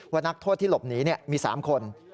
นักโทษที่หลบหนีมี๓คน